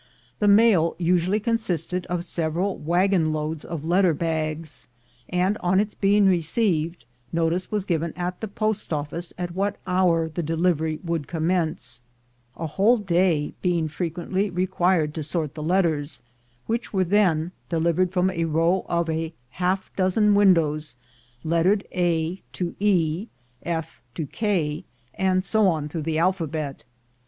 The mail usually consisted of several wagon loads of letter bags; and on its being received, notice was given at the post ofKce at what hour the delivery would commence, a whole day being frequently re quired to sort the letters, which were then delivered from a row of half a dozen windows, lettered A to E, F to K, and so on through the alphabet.